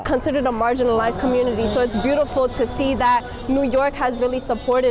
dikira sebagai komunitas marginal jadi indah melihat bahwa new york benar benar mendukung kami